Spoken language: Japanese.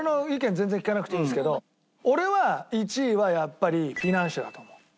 全然聞かなくていいんですけど俺は１位はやっぱりフィナンシェだと思う。